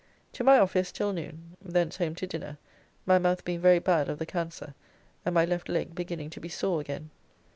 To my office till noon, thence home to dinner, my mouth being very bad of the cancer and my left leg beginning to be sore again.